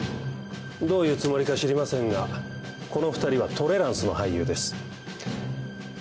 どういうつもりか知りませんがこの２人はトレランスの俳優です。